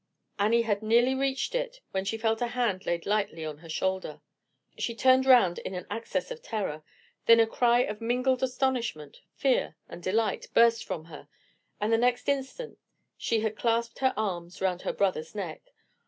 Annie had nearly reached it when she felt a hand laid lightly on her shoulder. She turned round in an access of terror, then a cry of mingled astonishment, fear, and delight burst from her, and the next instant she had clasped her arms round her brother's neck.